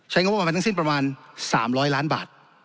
ใช้งานว่ามันทั้งสิ้นประมาณ๓๐๐ล้านบาท